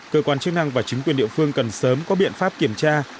cơ quan chức năng và chính quyền địa phương cần sớm có biện pháp kiểm tra